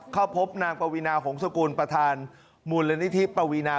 เข้าพบนางปวีนาหงษกุลประธานมูลนิธิปวีนา